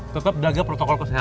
tetap jaga protokol kesehatan